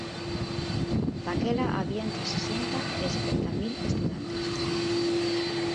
Daquela había entre sesenta e setenta mil estudantes.